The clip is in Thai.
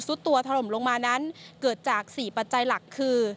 สุดตัวแต่ลงมานั้นเกิดจาก๔ปัญญาณหลักคือ